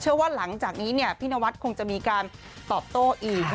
ว่าหลังจากนี้พี่นวัดคงจะมีการตอบโต้อีก